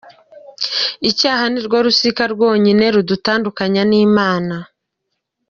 Icyaha nirwo rusika rwonyine rudutandukanya n’Imana.